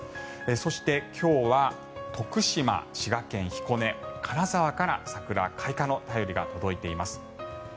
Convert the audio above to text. そして今日は徳島、滋賀県彦根金沢から桜開花の便りが届いています。